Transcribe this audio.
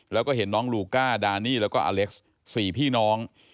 แล้วก็เห็นน้องลูก้าดานี่แล้วก็อเล็กซ์๔พี่น้อง